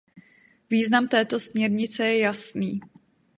Význam této směrnice je jasný.